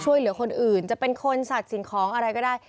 ช่วยเหลือคนอื่นจะเป็นคนสัตว์สิ่งของอะไรก็ได้